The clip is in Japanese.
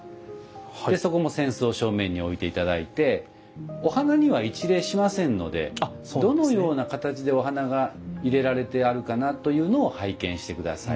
でそこも扇子を正面に置いて頂いてお花には一礼しませんのでどのような形でお花が入れられてあるかなというのを拝見して下さい。